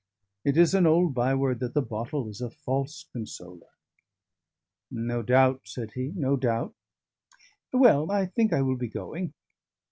It is an old byword that the bottle is a false consoler." "No doubt," said he, "no doubt. Well, I think I will be going."